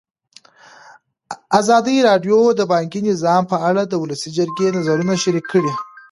ازادي راډیو د بانکي نظام په اړه د ولسي جرګې نظرونه شریک کړي.